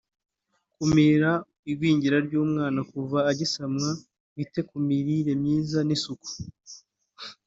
kumira igwingira ry’umwana kuva agisamwa wita ku mirire myiza n’isuku